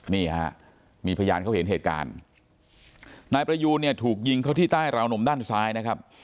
นี่ฮะมีพยานเขาเห็นเหตุการณ์นายประยูนเนี่ยถูกยิงเข้าที่ใต้ราวนมด้านซ้ายนะครับ